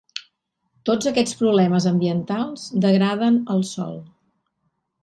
Tots aquests problemes ambientals degraden el sòl.